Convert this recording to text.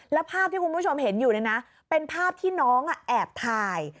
แล้วภาพที่คุณผู้ชมเห็นอยู่เนี่ยนะเป็นภาพที่น้องแอบถ่าย